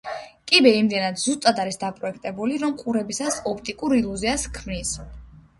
კიბე იმდენად ზუსტად არის დაპროექტებული, რომ ყურებისას ოპტიკურ ილუზიას ჰქმნის.